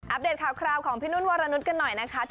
เดตข่าวคราวของพี่นุ่นวรนุษย์กันหน่อยนะคะ